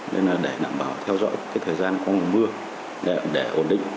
nên là để đảm bảo theo dõi thời gian có mùa mưa để ổn định